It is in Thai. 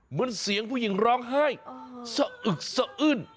เหมือนเสียงผู้หญิงร้องไห้สะอึกสะอื้น